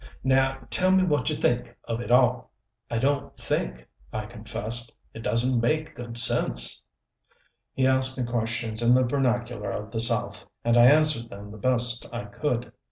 Now tell me what you think of it all." "I don't think," I confessed. "It doesn't make good sense." He asked me questions in the vernacular of the South, and I answered them the best I could.